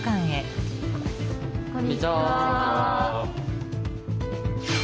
こんにちは。